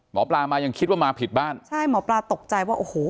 หมอปลามายังคิดว่ามาผิดบ้านใช่หมอปลาตกใจว่าโอ้โห